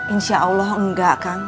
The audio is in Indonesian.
insya allah enggak kang